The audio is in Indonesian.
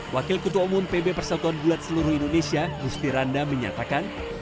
wakil ketua umum pb persatuan bulat seluruh indonesia gusti randa menyatakan